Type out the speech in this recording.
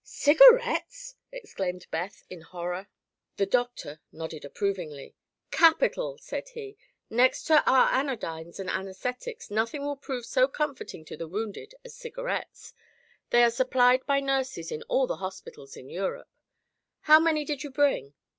"Cigarettes!" exclaimed Beth, in horror. The doctor nodded approvingly. "Capital!" said he. "Next to our anodynes and anaesthetics, nothing will prove so comforting to the wounded as cigarettes. They are supplied by nurses in all the hospitals in Europe. How many did you bring?"